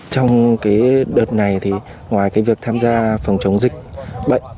trong cái đợt này thì ngoài cái việc tham gia phòng chống dịch bệnh